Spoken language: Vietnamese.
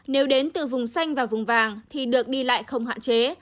nếu đến từ vùng xanh và vùng vàng thì được đi lại không hạn chế